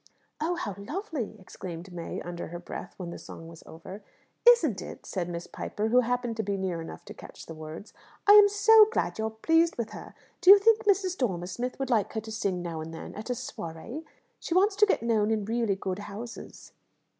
"Oh, how lovely!" exclaimed May, under her breath, when the song was over. "Isn't it?" said Miss Piper, who happened to be near enough to catch the words. "I am so glad you are pleased with her! Do you think Mrs. Dormer Smith would like her to sing now and then at a soirée? She wants to get known in really good houses."